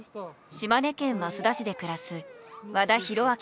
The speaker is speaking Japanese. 島根県益田市で暮らす和田浩章さん。